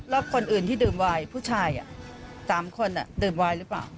แล้วคนอื่นที่ดื่มวายผู้ชาย๓คนดื่มวายหรือเปล่า